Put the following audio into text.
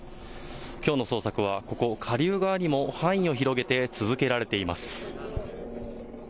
きょうの捜索はここ下流側にも範囲を広げて続けられています。